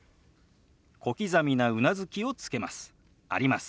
小刻みなうなずきをつけます。